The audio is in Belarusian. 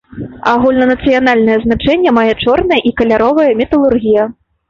Агульнанацыянальнае значэнне мае чорная і каляровая металургія.